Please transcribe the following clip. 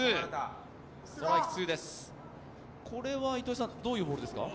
これはどういうボールですか。